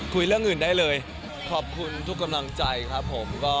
คุยเรื่องอื่นได้เลยขอบคุณทุกกำลังใจครับผม